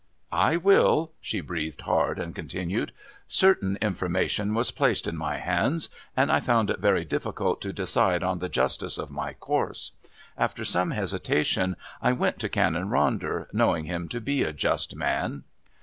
"I will." She breathed hard and continued. "Certain information was placed in my hands, and I found it very difficult to decide on the justice of my course. After some hesitation I went to Canon Ronder, knowing him to be a just man."